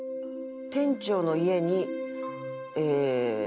店長の家にええー